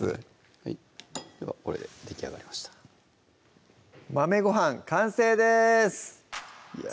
はいではこれでできあがりました「豆ご飯」完成ですいや